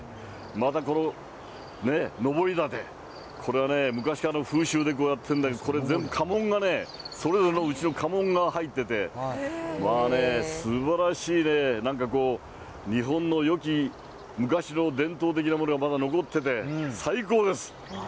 またこの、ね、のぼりだて、これは昔からの風習でこうやって、これ全部、家紋がね、それぞれのうちの家紋が入ってて、まあね、すばらしいね、なんかこう、日本のよき昔の伝統的なものがまだ残ってて、最高です。